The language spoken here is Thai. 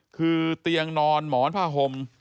คือเตียงนอนหมอนผ้าห่ม